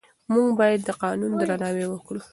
موږ باید د قانون درناوی وکړو.